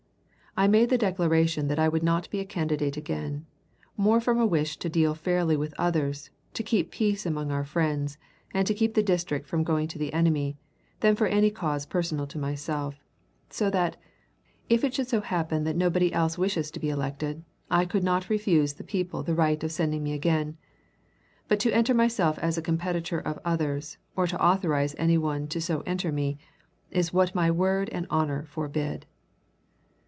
I made the declaration that I would not be a candidate again, more from a wish to deal fairly with others, to keep peace among our friends, and keep the district from going to the enemy, than for any cause personal to myself, so that, if it should so happen that nobody else wishes to be elected, I could not refuse the people the right of sending me again. But to enter myself as a competitor of others, or to authorize any one so to enter me, is what my word and honor forbid."